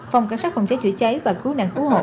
phòng cảnh sát phòng cháy chữa cháy và cứu nạn cứu hộ